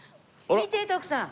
見て徳さん